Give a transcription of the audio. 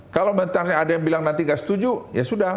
kalau bentar ada yang bilang nanti nggak setuju ya sudah